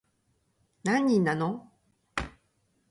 何人なの